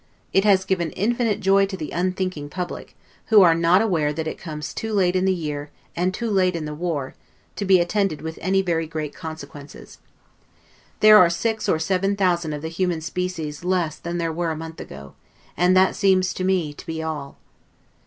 It has given infinite joy to the unthinking public, who are not aware that it comes too late in the year and too late in the war, to be attended with any very great consequences. There are six or seven thousand of the human species less than there were a month ago, and that seems to me to be all.